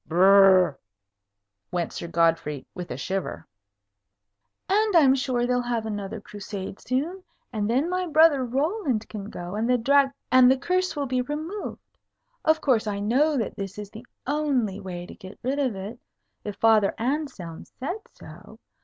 "Brrrrooo!" went Sir Godfrey, with a shiver. "And I'm sure they'll have another Crusade soon; and then my brother Roland can go, and the Drag and the curse will be removed. Of course, I know that is the only way to get rid of it, if Father Anselm said so.